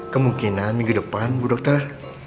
kemungkinan ke depan bu dokter